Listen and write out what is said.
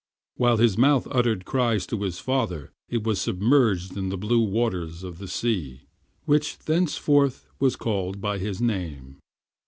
While his mouth uttered cries to his father it was submerged in the blue waters of the sea, which thenceforth was called by his name.